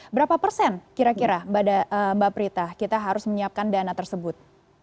berapa persen kira kira mbak prita kita harus menyiapkan dana tersebut